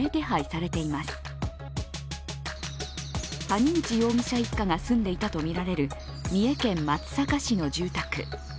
谷口容疑者一家が住んでいたとみられる三重県松阪市の住宅。